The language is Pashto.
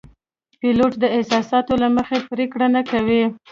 پیلوټ د احساساتو له مخې پرېکړه نه کوي.